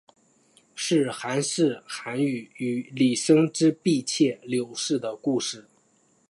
是寒士韩翃与李生之婢妾柳氏的故事。